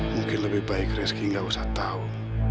mungkin lebih baik rizky nggak usah tahu